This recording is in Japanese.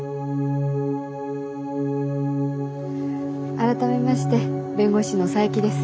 改めまして弁護士の佐伯です。